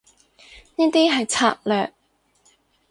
呢啲係策略